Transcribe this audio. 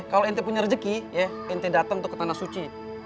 kalau ente punya rejeki ente datang ke tanah suci